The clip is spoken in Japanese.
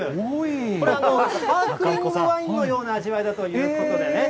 これ、スパークリングワインのような味わいだということでね。